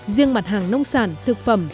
riêng mặt hàng nông sản thực phẩm